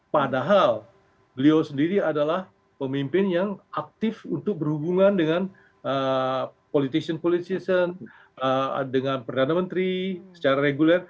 padahal beliau sendiri adalah pemimpin yang aktif untuk berhubungan dengan politician politician dengan perdana menteri secara reguler